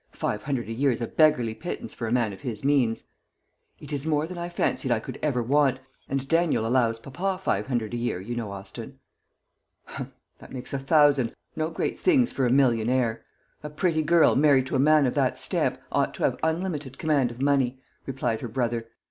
Five hundred a year is a beggarly pittance for a man of his means." "It is more than I fancied I could ever want; and Daniel allows papa five hundred a year, you know Austin." "Humph! that makes a thousand no great things for a millionaire. A pretty girl, married to a man of that stamp, ought to have unlimited command of money," replied her brother.